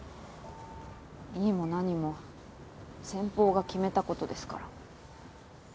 いいも何も先方が決めたことですから。